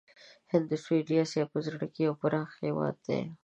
هند د سویلي آسیا په زړه کې یو پراخ هېواد دی.